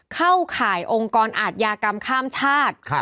เข้าข่ายองค์กรอาทยากรรมข้ามชาติ